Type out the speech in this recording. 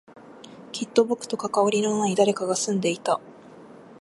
きっと僕と関わりのない誰かが住んでいた